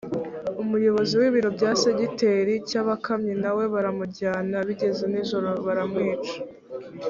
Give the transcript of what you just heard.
umuyobozi w’ibiro bya segiteri cyabakamyi na we baramujyana bigeze nijoro baramwica